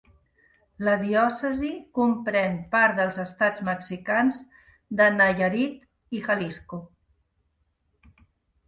La diòcesi comprèn part dels estats mexicans de Nayarit i Jalisco.